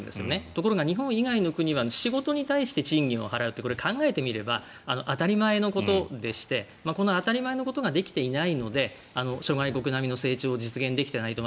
ところが日本以外の国は仕事に対して賃金を払うって考えてみれば当たり前のことでしてこの当たり前のことができていないので諸外国並みの成長ができていないと。